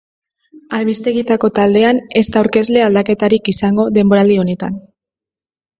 Albistegietako taldean ez da aurkezle aldaketarik izango denboraldi honetan.